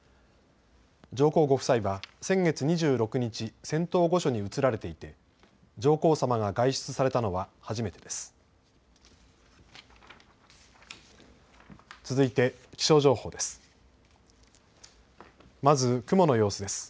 上皇ご夫妻は先月２６日、仙洞御所に移られていて上皇さまが外出されたのは初めてです。